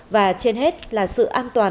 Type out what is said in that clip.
và trên hết là sự an toàn